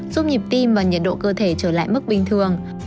giúp nhịp tim và nhiệt độ cơ thể trở lại mức bình thường